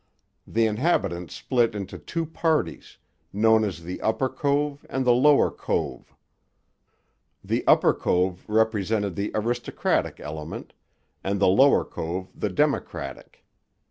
The inhabitants split into two parties, known as the Upper Cove and the Lower Cove. The Upper Cove represented the aristocratic element, and the Lower Cove the democratic.